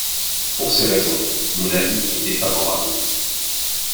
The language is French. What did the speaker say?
Pour ces raisons, mon avis est défavorable.